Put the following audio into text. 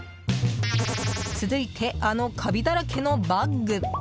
続いて、あのカビだらけのバッグ。